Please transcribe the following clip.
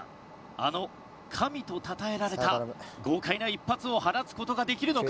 あの神とたたえられた豪快な一発を放つ事ができるのか？